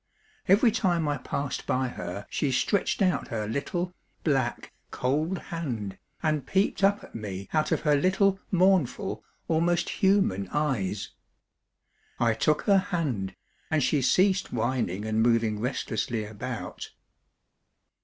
Every time I passed by her she stretched out her little, black, cold hand, and peeped up at me out of her little mournful, almost human eyes. I took her hand, and she ceased whining and moving restlessly about.